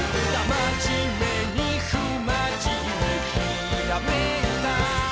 「まじめにふまじめひらめいた！」